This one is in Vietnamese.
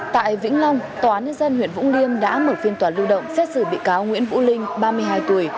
tại vĩnh long tòa án nhân dân huyện vũng liêm đã mở phiên tòa lưu động xét xử bị cáo nguyễn vũ linh ba mươi hai tuổi